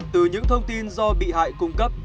từ những thông tin do bị hại cung cấp